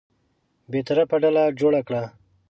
بېطرفه ډله جوړه کړه.